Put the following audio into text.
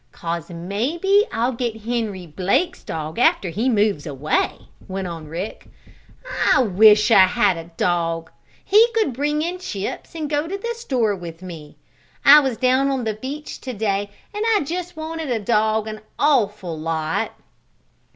"'Cause maybe I'll get Henry Blake's dog after he moves away," went on Rick. "I wish I had a dog. He could bring in chips and go to the store with me. I was down to the beach to day, and I just wanted a dog an awful lot."